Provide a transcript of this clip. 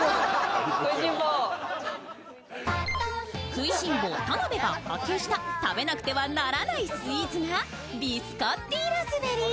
食いしん坊・田辺が発見した食べなくてはならないスイーツがビスコッティ・ラズベリー。